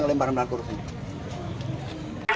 kita pengen masuk